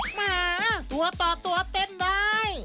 หมาเทอต่อตัวเต้นได้